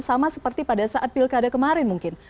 sama seperti pada saat pilkada kemarin mungkin